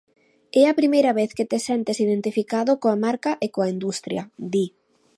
"É a primeira vez que te sentes identificado coa marca e coa industria", di.